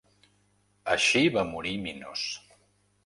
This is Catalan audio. Així va morir Minos.